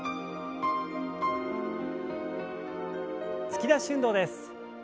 突き出し運動です。